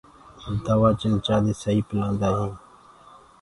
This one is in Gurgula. دوآ چمچآ دي سئي پلآندآ هينٚ۔